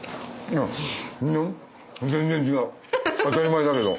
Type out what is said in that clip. いや全然違う当たり前だけど。